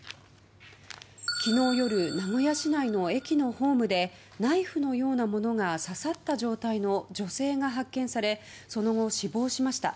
昨日夜名古屋市内の駅のホームでナイフのようなものが刺さった状態の女性が発見されその後、死亡しました。